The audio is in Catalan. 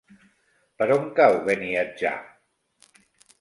Per on cau Beniatjar?